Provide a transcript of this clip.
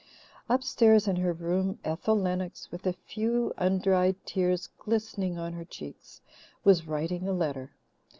Upstairs in her room, Ethel Lennox, with a few undried tears glistening on her cheeks, was writing a letter.